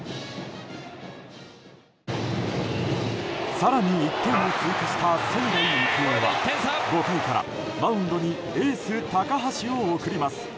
更に１点を追加した仙台育英は５階からマウンドにエース、高橋を送ります。